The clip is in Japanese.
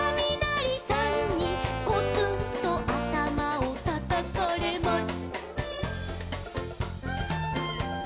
「コツンとあたまをたたかれます」